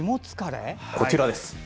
こちらです。